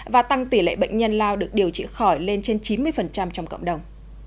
và tăng tỷ lệ bệnh nhân lao được điều trị khỏi lên trên chín mươi trong cộng đồng